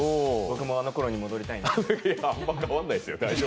僕もあの頃に戻りたいな。